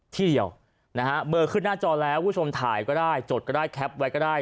ที่เดียวนะฮะเบอร์ขึ้นหน้าจอแล้วคุณผู้ชมถ่ายก็ได้จดก็ได้แคปไว้ก็ได้